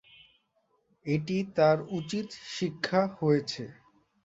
এটি তার উচিত শিক্ষা হয়েছে।